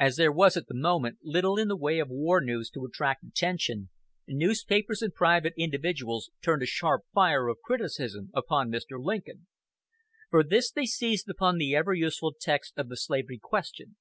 As there was at the moment little in the way of war news to attract attention, newspapers and private individuals turned a sharp fire of criticism upon Mr. Lincoln. For this they seized upon the ever useful text of the slavery question.